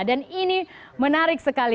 dan ini menarik sekali